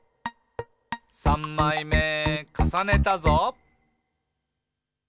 「さんまいめかさねたぞ！」